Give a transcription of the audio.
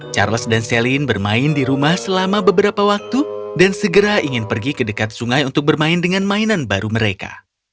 charles dan celine bermain di rumah selama beberapa waktu dan segera ingin pergi ke dekat sungai untuk bermain dengan mainan baru mereka